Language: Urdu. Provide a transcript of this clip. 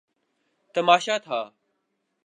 تماشا تھا۔